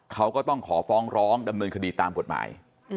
เขาก็ต้องขอฟ้องร้องดำเนินคดีตามกฎหมาย